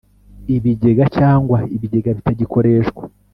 Ibigega cyangwa ibigega bitagikoreshwa